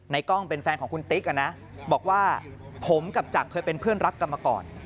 กล้องเป็นแฟนของคุณติ๊กนะบอกว่าผมกับจักรเคยเป็นเพื่อนรักกันมาก่อน